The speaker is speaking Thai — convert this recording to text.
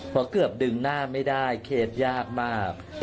เพราะเกือบดึงหน้าไม่ได้เคสยากมาก